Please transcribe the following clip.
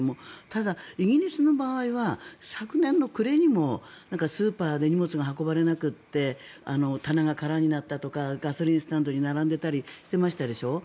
ただ、イギリスの場合は昨年の暮れにもスーパーで荷物が運ばれなくて棚が空になったとかガソリンスタンドに並んでたりしてましたでしょ。